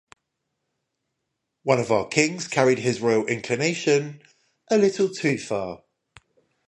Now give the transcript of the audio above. One of our kings carried his royal inclination a little too far.